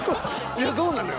いやそうなのよ。